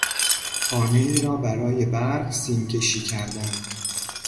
خانهای را برای برق سیمکشی کردن